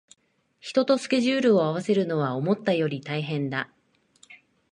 人とスケジュールを合わせるのは思ったより大変だ